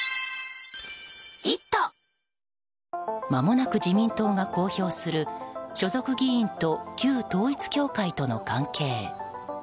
まもなく自民党が公表する所属議員と旧統一教会との関係。